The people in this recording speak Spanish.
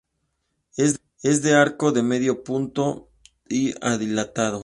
Es de arco de medio punto y adintelada.